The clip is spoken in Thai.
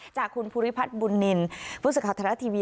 จากคุณภูริพัฒน์บุญนินภูศิษย์ข่าวธนาทีวี